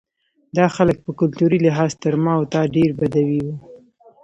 دا خلک په کلتوري لحاظ تر ما او تا ډېر بدوي وو.